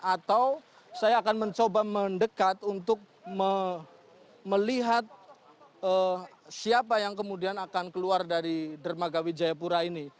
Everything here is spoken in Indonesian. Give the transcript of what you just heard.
atau saya akan mencoba mendekat untuk melihat siapa yang kemudian akan keluar dari dermaga wijayapura ini